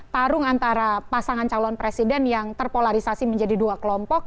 tarung antara pasangan calon presiden yang terpolarisasi menjadi dua kelompok